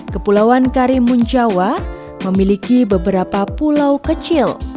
kepulauan karimun jawa memiliki beberapa pulau kecil